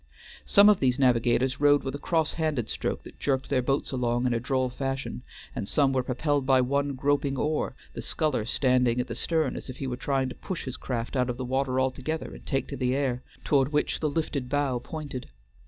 Some of these navigators rowed with a cross handed stroke that jerked their boats along in a droll fashion, and some were propelled by one groping oar, the sculler standing at the stern as if he were trying to push his craft out of water altogether and take to the air, toward which the lifted bow pointed.